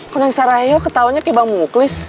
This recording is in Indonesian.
kalo nanya sarah ketawanya kayak bang muklis